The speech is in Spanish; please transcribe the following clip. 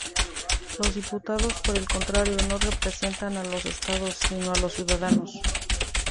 Los diputados, por el contrario, no representan a los estados, sino a los ciudadanos.